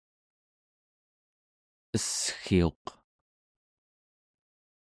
essgiuq